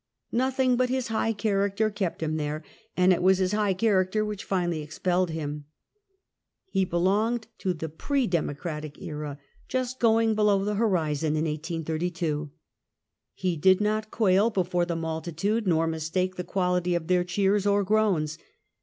Nothing but his high character kept him there ; and it was his high character which finally expelled him. He belonged to the pre democratic era, just going below the horizon in 1832. He did not quail before the multitude, nor mistake the quality of their cheers or groans.